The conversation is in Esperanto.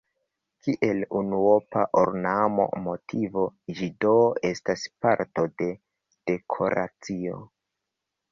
Kiel unuopa ornama motivo ĝi do estas parto de dekoracio.